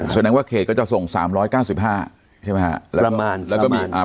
สมัครว่าเขตก็จะส่ง๓๙๕ใช่ไหมครับ